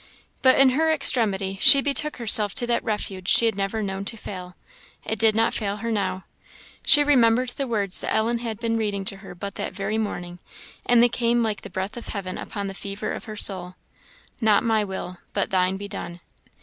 But in her extremity she betook herself to that refuge she had never known to fail: it did not fail her now. She remembered the words Ellen had been reading to her but that very morning, and they came like the breath of heaven upon the fever of her soul "Not my will, but thine be done."